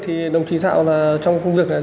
thì đồng thủy thảo là trong công việc này